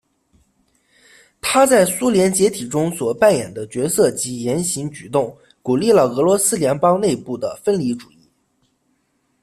他在苏联解体中所扮演的角色及言行举动鼓励了俄罗斯联邦内部的分离主义。